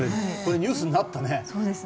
ニュースになったね。